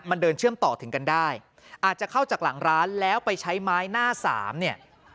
มันเดินเชื่อมต่อถึงกันได้อาจจะเข้าจากหลังร้านแล้วไปใช้ไม้หน้าสามเนี่ย